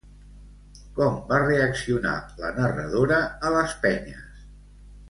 Com va reaccionar la narradora a les penyes?